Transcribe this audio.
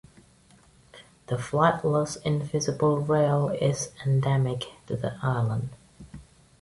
The flightless invisible rail is endemic to the island.